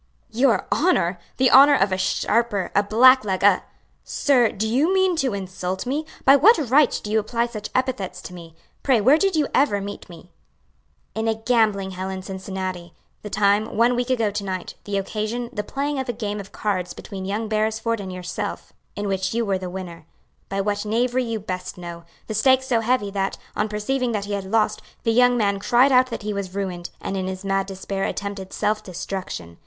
"Your honor! the honor of a sharper, a black leg, a " "Sir, do you mean to insult me? by what right do you apply such epithets to me? Pray where did you ever meet me?" "In a gambling hell in Cincinnati; the time, one week ago to night; the occasion, the playing of a game of cards between young Beresford and yourself in which you were the winner by what knavery you best know the stakes so heavy that, on perceiving that he had lost, the young man cried out that he was ruined, and in his mad despair attempted self destruction.